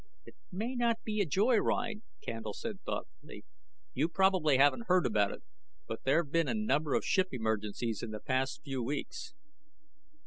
"It may not be any joy ride," Candle said thoughtfully. "You probably haven't heard about it, but there've been a number of ship emergencies in the past few weeks."